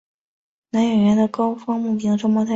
同为男演员的高木万平是其双胞胎哥哥。